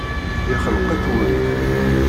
Yexneq-itt wurrif.